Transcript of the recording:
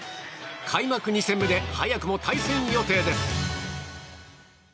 開幕２戦目で早くも対戦予定です。